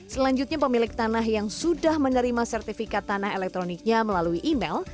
selanjutnya pemilik tanah yang sudah menerima sertifikat tanah elektroniknya melalui email